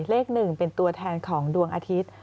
เลข๑เป็นตัวแทนของดวงอาทิตย์